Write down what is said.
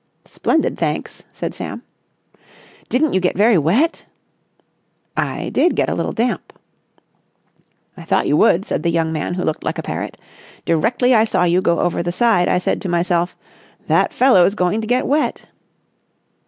"Splendid, thanks," said Sam. "Didn't you get very wet?" "I did get a little damp." "I thought you would," said the young man who looked like a parrot. "Directly I saw you go over the side I said to myself: 'That fellow's going to get wet!